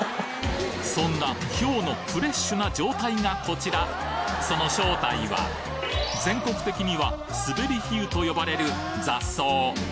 そんなひょうのフレッシュな状態がこちらその正体は全国的にはスベリヒユと呼ばれる雑草